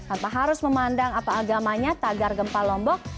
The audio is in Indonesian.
apa harus memandang apa agamanya tagar gempa lombok